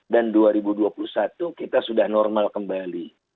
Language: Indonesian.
dan dua ribu dua puluh satu kita sudah normal kembali